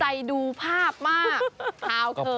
ตั้งใจดูภาพมาก